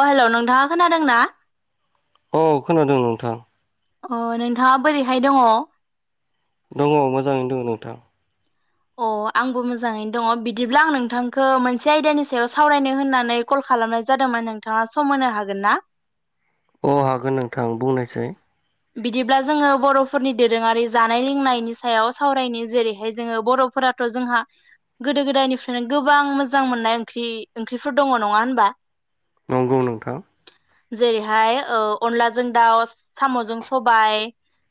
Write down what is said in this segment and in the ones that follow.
अ hello नोंथाङा खोनादों ना औ खोनादों नोंथां अ नोंथाङा बोरैहाय दङ दङ मोजाङैनो दोङो नोंथां अ आंबो मोजाङैनो दङ बिदिब्ला आं नोंथांखो मोनसे आयदानि सायाव सावरायनो होननानै कल खालामनाय जादोंमोन नोंथाङा सम होनो हागोन ना अ हागोन नोंथां बुंनायसाय बिदिब्ला जोङो बर'फोरनि दोरोङारि जानाय लोंनायनि सायाव सावरायनि जेरैहाय जोङो बर'फोराथ' जोंहा गोदो गोदायनिफ्रायनो गोबां मोजां मोननाय ओंख्रि ओंख्रिफोर दङ नङा होनबा नंगौ नोंथां जेरैहाय ओ अनलाजों दाउ साम'जों सबाय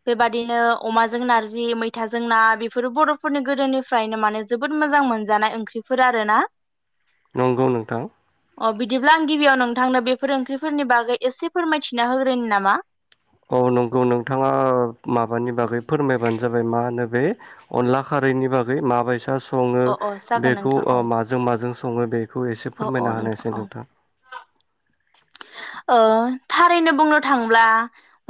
बेबादिनो अमाजों नारजि मैथाजों ना बेफोरो बर'फोरनि गोदोनिफ्रायनो माने जोबोद मोजां मोनजानाय ओंख्रिफोर आरो ना नंगौ नोंथां अ बिदिब्ला आं गिबियाव नोंथांनो बेफोर ओंख्रिफोरनि बागै एसे फोरमायथिना होग्रोनो नामा औ नंगौ नोंथाङा माबानि बागै फोरमायबानो जाबाय मा होनो बे अनला खारैनि बागै माबायसा सङो अ अ जागोन बेखौ नोंथां ओ औ माजों माजों सङो बेखौ एसे अ अ फोरमायना होनोसै नोंथां ओ थारैनो बुंनो थांब्ला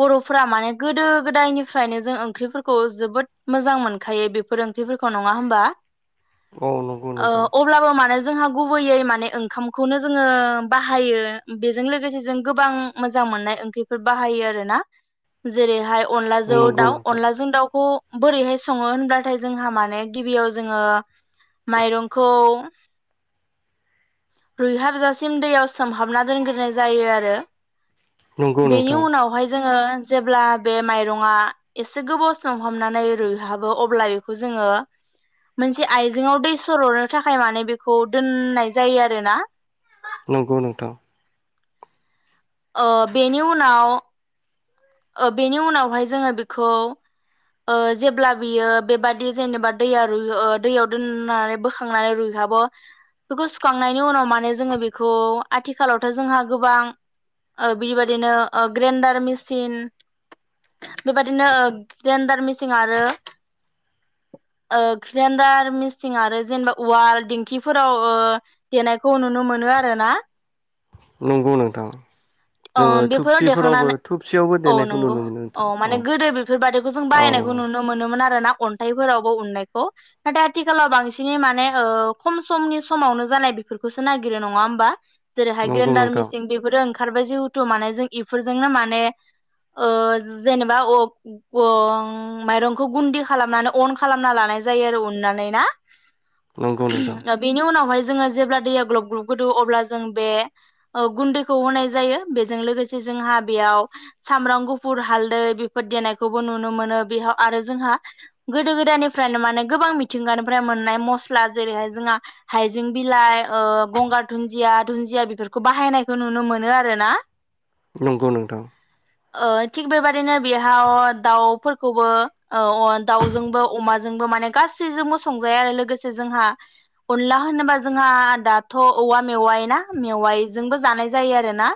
बर'फोरा माने गोदो गोदायनिफ्रायनो जों ओंख्रिफोरखौ जोबोद मोजां मोनखायो बेफोर ओंख्रिफोरखौ नङा होमबा औ नंगौ ओ नोंथां अब्लाबो माने जोंहा गुबैयै माने ओंखामखौनो जोङो बाहायो बेजों लोगोसे जों गोबां मोजां मोननाय ओंख्रिफोर बाहायो आरो ना जेरैहाय अनलाजों नंगौ दाउ नोंथां अनलाजों दाउखौ बोरैहाय सङो होनब्लाथाय जोंहा माने गिबियाव जोङो माइरंखौ रुइहाबजासिम दैयाव सोमहाबना दोंनग्रोनाय जायो आरो नंगौ बेनि नोंथां उनावहाय जोङो जेब्ला बे माइरङा एसे गोबाव सोंहाबनानै रुइहाबो अब्ला बेखौ जोङो मोनसे आइजेंआव दै सररनो थाखाय माने बेखौ दोननाय जायो आरोना नंगौ नोंथां ओ बेनि उनाव ओ बेनि उनावहाय जोङो बेखौ ओ जेब्ला बियो बेबादि जेनेबा दैया रुइ ओ दैयाव दोननानै बोखांनानै रुइहाबो बेखौ सुखांनायनि उनाव माने जोङो बेखौ आथिखालावथ' जोंहा गोबां ओ बिबाददिनो ओ ग्रेन्डार मे सिन बेबादिनो ओ ग्रेडार मिसिन आरो ओ ग्रेन्डार मेसिन आरो जेनेबा उवाल दिंखिफोराव ओ देनायखौ नुनो मोनो आरो ना नंगौ नोंथां ओ जोङो बेफोराव थुबसिफोरावबो देखांनानै थुबसियावबो औ देनायखौ नंगौ नुनो मोनो औ नोंथां माने गोदो बेफोरबायदिखौ जों औ बानायनायखौ नुनो मोनोमोन आरोना अन्थाइफोरावबो उननायखौ नाथाय आथिखालाव बांसिनै माने ओ खम समनि समावनो जानाय बेफोरखौसो नागिरो नङा होमबा जेरैहाय नंगौ ग्रेन्डार नोंथां मेसिं बेफोर ओं खारबाय जिहेथु माने जों इफोरजोंनो माने ओ जेनेबा ओ अ माइरंखौ गुदि खालामनानै अन खालामना लानाय जायो आरो उननानै ना नंगौ नोंथां बेनि उनाव हाय जोङो जेब्ला दैया ग्लब ग्लब गोदौ अब्ला जों बे ओ गुन्दैखौ होनाय जायो। बेजों लोगोसे जोंहा बेयाव सामब्राम गुफुर हालदै बेफोर देनायखौबो नुनो मोनो बेयाव आरो जोंहा गोदो गोदायनिफ्रायनो माने गोबां मिथिंगानिफ्राय मोननाय मस्ला जेरैहाय जोंहा हाइजें बिलाइ ओ गंगार धुन्दिया धुन्दिया बेफोरखौ बाहायनायखौ नुनो मोनो आरोना नंगौ नोंथां ओ थिग बेबादिनो बेहा दाउफोरखौबो ओ दाउजोंबो अमाजोंबो माने गासैजोंबो संजायो आरो लोगोसे जोंहा अनला होनोबा जोंहा दाथ' औवा मेवाय ना मेवायजोंबो जानाय जायो आरोना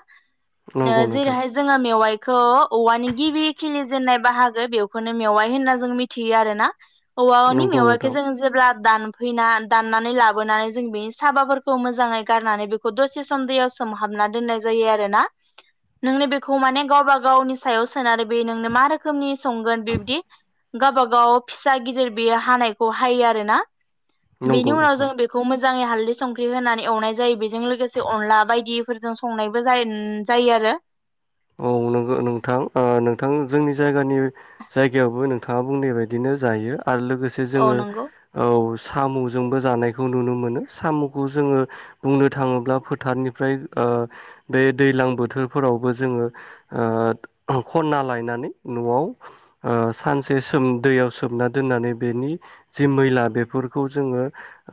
ओ नंगौ नोंथां जेरैहाय जोंहा मेवाइ खौ औवानि गिबि खिलिजेननाय बाहागो बेखौनो मेवाइ होनना जों मिथियो आरोना औवानि नंगौ मेवायखौ नोंथां जों जेब्ला दानफैना दाननानै लाबोनानै जों बेनि साबाफोरखौ मोजाङै गारनानै बेखौ दसे सम दैयाव सोमहाबना दोननाय जायो आरोना नोंनो बेखौ माने गावबा गाव गावनि सायाव सोनारो बे नोंनो मा रोखोमनि संगोन बिबदि गावबा गाव फिसा गिदिर बेयो हानायखौ हायो आरोना बेनि नंगौ उनाव नोंथां जों बेखौ मोजां मोजाङै हालदै संख्रि होनानै एवनाय जायो बे बे जों लोगोसे अनला बायदि फोरजों संनायबो जायो ओं जायो आरो औ नगौ नोंथां ओ नोंथां जोंनि जायगानि जायगायावबो नोंथाङा बुंनाय बायदिनो जायो। आरो लोगोसे औ जोङो नंगौ औ साम'जोंबो जानायखौ नुनो मोनो साम'खौ जोङो बुंनो थाङोब्ला फोथारनिफ्राय ओ बे दैज्लां बोथोरफोरावबो जोङो ओ खन्ना लायनानै न'आव ओ सानसे सोम दैयाव सोमना दोननानै बेनि जि मैला बेफोरखौ जोङो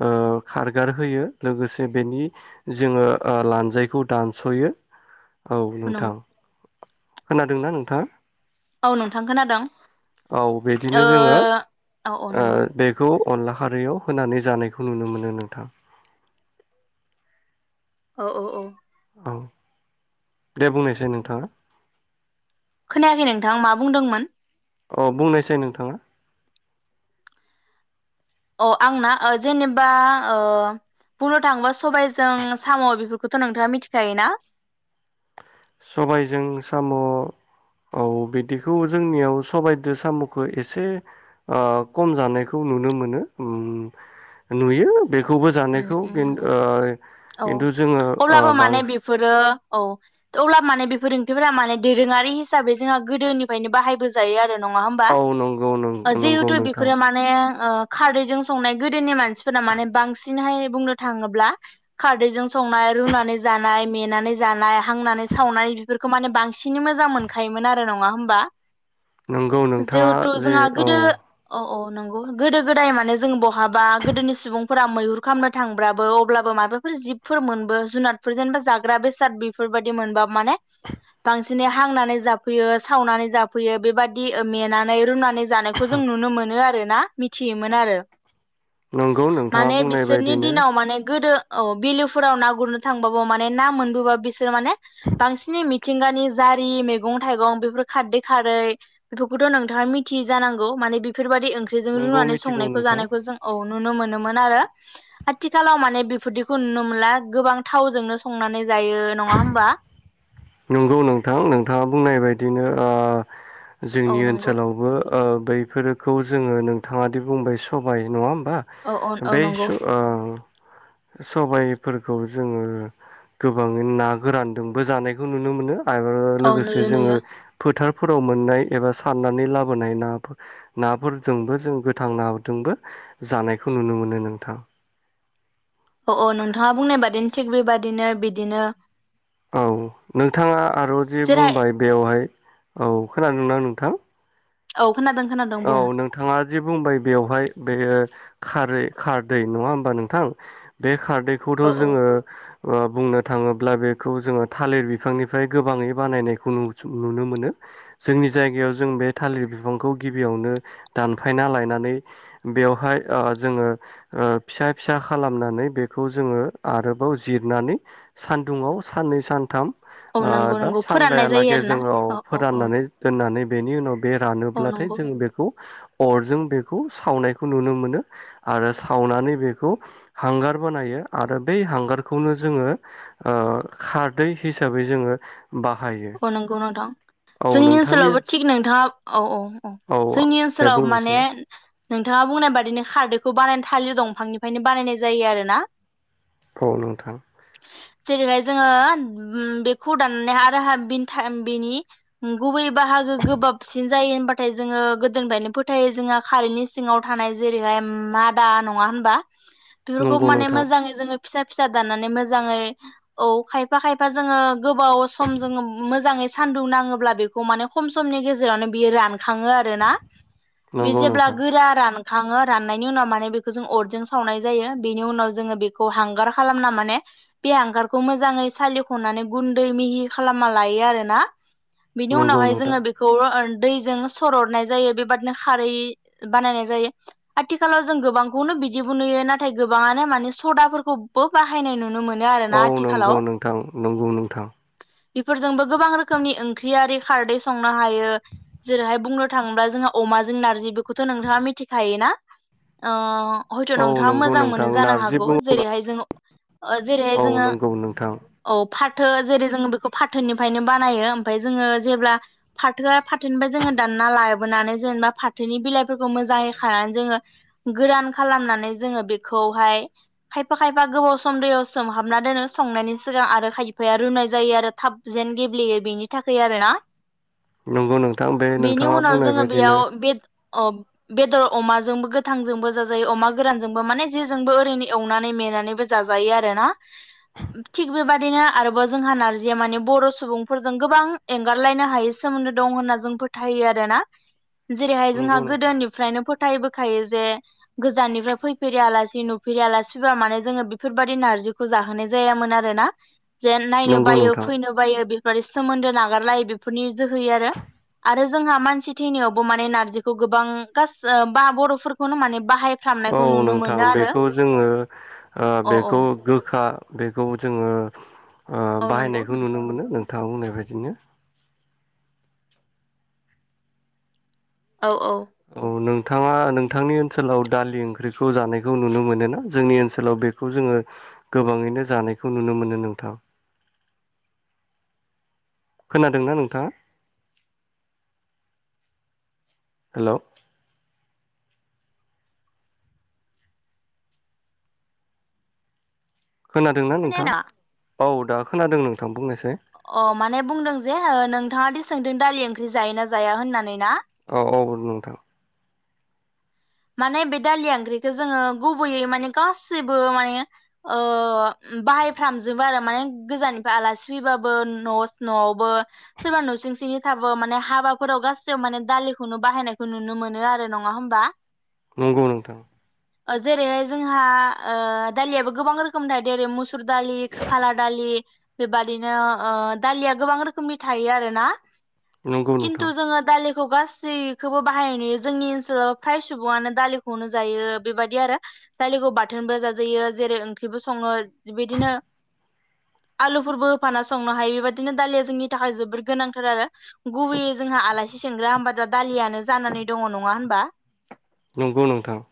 ओ खारगारहोयो लोगोसे बेनि जोङो ओ लानजायखौ दानस'यो औ ओ नंगौ नोंथां खोनादोंना नोंथाङा? औ नोंथां खोनादों औ ओ बिदिनो जोङो औ औ ओ नंगौ बेखौ अनला खारैयाव होनानै जानायखौ नुनो मोनो नोंथां औ औ औ औ दे बुंनायसाय नोंथाङा खोनायाखै नोंथाङा मा बुंदोंमोन अ बुंनायसाय नोंथाङा अ आंना ओ जेनेबा ओ बुंनो थाङोबा सबायजों साम' बेफोरखौथ' नोंथाङा मिथिखायो ना सबायजों साम' औ बिदिखौ जोंनियाव सबाइजों साम'खौ एसे ओ खम जानायखौ नुनो मोनो ओ नुयो बेखौबो ओम जानायखौ ओम खिन नंगौ ओ औ खिन्थु जोङो ओ अब्लाबो बां माने बेफोरो औ अब्ला माने बेफोर ओंख्रिफोरा माने दोरोङारि हिसाबै जोंहा गोदोनिफ्रायनो बाहायबो जायो आरो नङा होनबा औ नंगौ नंगौ जिहेथु नोंथां बेफोरो माने ओ खारदैजों संनाय गोदोनि मानसिफोरा माने बांसिन बांसिनहाय बुंनो थाङोब्ला खारदैजों संनाय रुनानै जानाय मेनानै जानाय हांनानै सावनाय बेफोरखौ माने बांसिनै मोजां मोनखायोमोन आरो नङा होमबा नंगौ नोंथाङा जिहेथु जे जोंहा औ गोदो अ अ नंगौ गोदो गोदाय माने जों बहाबा गोदोनि सुबुंफोरा मैहुर खालामनो थांबाबो अब्लाबो माबाफोर जिबफोर मोनबो जुनादफोर जेनेबा जाग्रा बेसाद बेफोरबायदि मोनबा माने बांसिन बिदिनो हांनानै जाफैयो सावनानै जाफैयो बेबायदि मेनानै रुनानै जानायखौ जों नुनो मोनो आरो ना मिथियोमोन आरो नंगौ नोंथाङा बुंनाय बायदि नि दिनाव माने गोदो औ बिलोफोराव ना गुरनो थांबाबो माने ना मोनबोबा बेसे माने बांसिन मिथिंगानि जारि मैगं-थाइगं बेफोर खारदै खारै बेफोरखौथ' नोंथाङा मिथियो जानांगौ माने बेफोरबायदि ओंख्रिजों नोंगौ रुनानै मिथिगौ संनायखौ नोंथां जानायखौ जों औ नुनो मोनोमोन आरो आथिखालाव माने बेफोरदिखौ नुनो मोनला गोबां थावजोंनो संनानै जायो नङा होमबा नंगौ नोंथां नोंथाङा बुंनाय बायदिनो ओ औ जोंनि नंगौ ओनसोलावबो ओ बैफोरखौ जोङो नोंथाङादि बुंबाय सबाय नङा होनबा औ औ औ बै स नंगौ ओ [inaudible] खौ नुनो मोनो आरो औ लोगोसे नुयो जोङो नुयो फोथार फोराव मोननाय एबा सारनानै लाबोनाय ना नाफोरजोंबो जों गोथां नादोंबो जानायखौ नुनो मोनो नोंथां । अ औ नोंथाङा बुंनाय बादिनो थिग बेबायदि बिदिनो बिदिनो औ नोंथाङा आरो जे जेरहा बुंबाय बेवहाय औ खोनादोंना नोंथां औ खोनादों खोनादों बुं औ नोंथाङा जे बुंबाय बेवहाय बे खारै खारदै नङा होमबा नोंथां बे औ खारदैखौथ' औ जोङो ओ बुंनो थाङोब्ला बेखौ जोङो थालिर बिफांनिफ्राय गोबाङै बानायनायखौ नुनो मोनो जोंनि जायगायाव जों बे थालिर बिफांखौ गिबियावनो दानफायना लायनानै बेवहाय ओ जोङो ओ फिसा फिसा खालामनानै बेखौ जोङो आरोबाव जिरनानै सानदुंङाव साननै सानथाम औ आ नंगौ दा नंगौ फोराननाय जायो सानबायालागै आरो ना जोङो औ औ औ फोराननानै दोननानै बेनि उनाव बे औ रानोब्ला थाय नंगौ जों बेखौ अरजों बेखौ सावनायखौ नुनो मोनो आरो सावनानै बेखौ हांगार बानायो आरो बै हांगारखौनो जोङो ओ खारदै हिसाबै जोङो बाहायो औ नंगौ नोंथां औ जोंनि नोंथांनि ओनसोलावबो ओनसोल थिग नोंथाङा औ अ औ जोंनि दे ओनसोलाव माने बुंनोसै नोंथाङा बुंनाय बादिनो खारदैखौ बानायनो था थालिर दंफांनिफ्रायनो बानायनाय जायो आरो ना औ नोंथां जेरैहाय जोङो बेखौ दाननाय आरो बेनि गुबै बाहागो गोबाबसिन जायो होनबाथाय जोङो गोदोनिफ्रायनो फोथायो जोंहा खारैनि सिङाव थानाय जेरैहाय मादा नङा होनबा बेफोरखौ नंगौ माने नोंथां मोजाङै जोङो फिसा फिसा दाननानै मोजाङै औ खायफा खायफा जोङो गोबाव सम जोङो मोजाङै सान्दुं नाङोब्ला बेखौ माने खम समनि गेजेरावनो बियो रान खाङो आरोना बे नंगौ जेब्ला नोंथां गोरा रान खाङो राननायनि उनाव माने बेखौ जों अरजों सावनाय जायो बेनि उनाव जोङो बेखौ हांगार खालामना माने बे हांगारखौ मोजाङै सालिख'नानै गुन्दै मिहि खालाम खालामना लायो आरो ना बिनि नंगौ उनावहाय नोंथां जोङो बेखौ दैजों सररनाय जायो बेबादिनो खारै बानायनाय जायो आथिखालाव जों गोबांखौनो बिदिबो नुयो नाथाय गोबाङानो माने सदाफोरखौबो बाहायनाय नुयो औ नंगौ नोंथां नंगौ नोंथां बेफोरजोंबो गोबां रोखोमनि ओंख्रियारि खारदै संनो हायो जेरैहाय बुंनो थाङोब्ला जोंहा अमा जों नारजि बेखौथ' नोंथाङा मिथिखायो ना हयथ' औ नोंथाङा नंगौ मोजां नोंथां मोनो जानो नारजि हागौ बुङो जेरैहाय जोंङो ओ जेरैहाय औ जोङो नंगौ नोंथां औ फाथो जेरै जोङो बेखौ फाथोनिफ्रायनो बानायो ओमफाय जोङो जेब्ला फाथोआ फाथोनिफ्राय जोङो दानना लाबोनानै जेनेबा फाथोनि बिलाइफोरखौ मोजाङै खानानै जोङो गोरान खालामनानै जोङो बेखौहाय खायफा खायफा गोबाव सम दैयाव सोमहाबना दोनो संनायनि सिगां आरो खायफाया रुनाय जायो आरो थाब जेन गेब्लेयो बेनि थाखाय आरोना नंगौ नोंथां बे बेनि नोंथाङा उनाव बुंनाय जोङो बायदिनो बेयाव बे अ बेदर अमाजोंबो गोथांजोंबो जाजायो अमा गोरानजोंबो माने जेजोंबो ओरैनो एवनानै मेनानैबो जाजायो आरो ना थिग बेबादिनो आरोबाव जोंहा नारजि जे माने बर' सुबुंफोरजों गोबां एंगारलायनो हायै सोमोन्दो दं होनना जों फोथायो आरो ना जेरैहाय जोंहा नंगौ नोंथां गोदोनिफ्रायनो फो फोथायबोखायो जे गोजाननिफ्राय फैफेरि आलासि नुफेरै आलासिबा माने जोङो बेफोरबायदि नारजिखौ जाहोनाय जायामोन आरोना जेन नायनो नंगौ बायो नोंथां बेफोर सोमोन्दो नागारलायो बेफोरनि जोहै आरो आरो जोंहा मानसि थैनायावबो माने नारजिखौ गोबां खास बा बर'फोरखौनो माने बाहाय औ नोंथां बेखौ जोङो ओ औ औ बेखौ गोखा बेखौ जोङो ओ औ नंगौ बाहायनायखौ नोंथां नुनो मोनो नोंथां आं बुंनाय बायदिनो औ औ। नोंथाङा नोंथांनि ओनसोलाव दालि ओंख्रिखौ जानायखौ नुनो मोनो ना जोंनि ओनसोलाव बेखौ जोङो गोबाङैनो जानायखौ नुनो मोनो नोंथां। खोनादोंना नोंथाङा। हेलौ। खोनादोंना नोंथाङा? खोनायाना? औ दा खोनादों नोंथां बुंनायसाय? अ माने बुंदों जे नों। नोंथाङादि सोंदों दालि ओंख्रि जायो ना जाया होननानै ना। औ औ नोंथां। माने बे दालि ओंख्रिखौ जोङो गुबैयै माने गासैबो माने ओ बाहायफ्रामजोबो आरो माने गोजाननिफ्राय आलासि फैबाबो न' न'आवबो सोरबा न' सिं सिंनि थाबो माने हाबाफोराव गासैबो माने दालिखौनो बाहायनायखौ नुनो मोनो आरो नङा होमबा। नंगौ नोंथां। जेरैहाय जोंहा ओ दालियाबो गोबां रोखोमनि थायो ओरै मुसुर दालि खाला दालि बेबादिनो ओ दालिया गोबां रोखोमनि थायो आरो ना। नंगौ खिन्थु नोंथां जोङो [unintelligible] खौ गासैखौबो बाहायनाय नुयो जोंनि ओनसोलाव सुबुङानो दालिखौनो जायो बेबायदि आरो दालिखौ बाथोनबो जाजायो जेरै ओंख्रिबो सङो बिदिनो आलुफोरबो होफाना संनो हायो बेबायदिनो दालिया जोंनि थाखाय जोबोर गोनांथार आरो गुबैयै जोंहा आलासि सोंग्रा होनबा दालियानो जानानै दङ नङा होनबा? नंगौ नोंथां।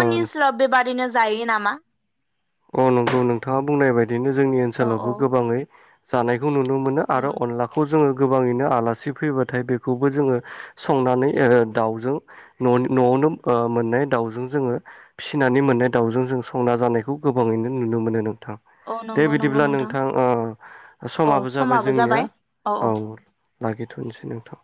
औ ओनसोलाव बेबायदिनो जायो नामा? अ नंगौ नोंथाङा बुंनाय बाय बिदिनो जोंनि औ औ ओनसोलावबो गोबाङै जानाय खौ नुनो मोनो औ आरो नोंथां अनलाखौ जोङो। गोबाङैनो आलासि फैबाथाय बेखौबो जोङो संनानै ओ दाउजों न'नि न'आवनो ओ मोननाय दाउजों जोङो फिसिनानै मोननाय दाउजों जों संना जानाय गोबाङैनो नुनो मोनो थां औ दे नंगौ नंगौ बिदिब्ला नोंथां ओ समाबो जाबाय जोंनिया औ। लाखिथ'नोसै नोंथां।